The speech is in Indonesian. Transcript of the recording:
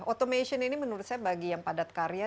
automation ini menurut saya bagi yang padat karya